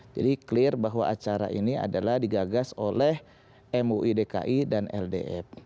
jadi clear bahwa acara ini adalah digagas oleh mui dki dan ldf